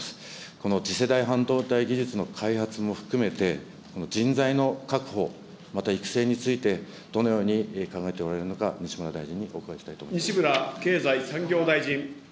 この次世代半導体技術の開発も含めて、人材の確保、また育成について、どのように考えておられるのか、西村大臣にお伺いしたいと思います。